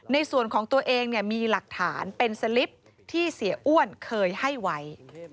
ในส่วนของตัวเองมีหลักฐานเป็นสลิปที่เสียอ้วนเคยให้ไว้